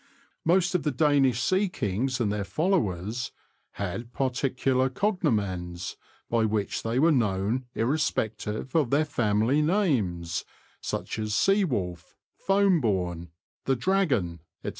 Most of the Danish sea kings and their followers had particular cognomens, by which they were known irrespective of their family names, such as '' Sea wolf," " Foam Borne," " The Dragon," &c.